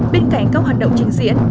bên cạnh các hoạt động trình diễn